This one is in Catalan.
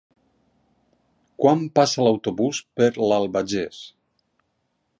Quan passa l'autobús per l'Albagés?